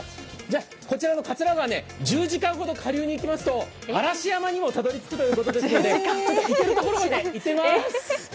こちらの桂川を１０時間くらい下流に行きますと嵐山にもたどり着くということですので行けるところまで行ってみます。